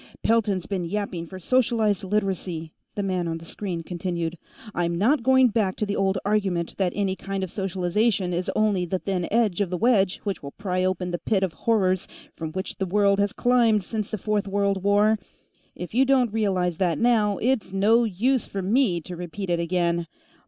"Pelton's been yapping for socialized Literacy," the man on the screen continued. "I'm not going back to the old argument that any kind of socialization is only the thin edge of the wedge which will pry open the pit of horrors from which the world has climbed since the Fourth World War. If you don't realize that now, it's no use for me to repeat it again.